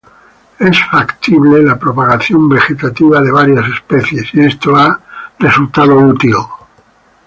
Es factible la propagación vegetativa de varias especies, y esto ha resultado útil.